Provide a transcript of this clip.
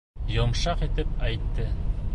Йомшаҡ итеп әйтте.